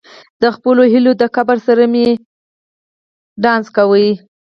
د خپلو هیلو د قبر سره مې ونڅیږم.